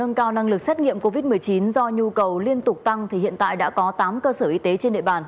nâng cao năng lực xét nghiệm covid một mươi chín do nhu cầu liên tục tăng thì hiện tại đã có tám cơ sở y tế trên địa bàn